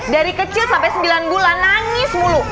dari kecil sampai sembilan bulan nangis mulu